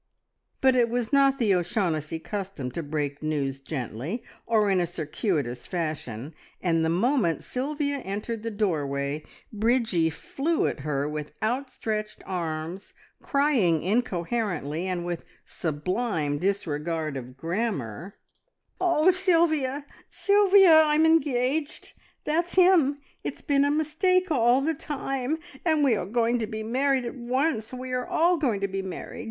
But it was not the O'Shaughnessy custom to break news gently, or in a circuitous fashion, and the moment Sylvia entered the doorway, Bridgie flew at her with outstretched arms, crying incoherently, and with sublime disregard of grammar "Oh, Sylvia, Sylvia, I'm engaged! That's him! It's been a mistake all the time, and we are going to be married at once. We are all going to be married!